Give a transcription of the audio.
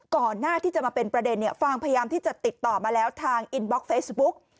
ก่อนหน้าที่จะมาเป็นประเด็นเนี่ยฟางพยายามที่จะติดต่อมาแล้วทางอินบล็อกเฟซบุ๊ก